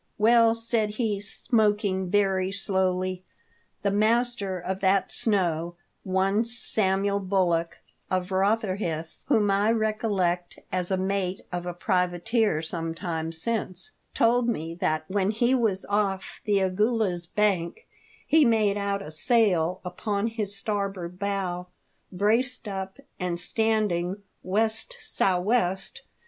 "Well," said he, smoking very slowly, " the master of that snow, one Samuel Bullock, of Rotherhithe, whom I recollect as mate of a privateer some time since, told 14 THE DEATH SHIP. me that when he was off the Agulhas Bank, he made out a sail upon his starboard bow, braced up, and standing west sou' west.